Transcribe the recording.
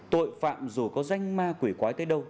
tội phạm dù có danh ma quỷ quái tới đâu